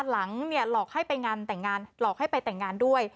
หลอกให้ไปงานแต่งงานหลอกให้ไปแต่งงานด้วย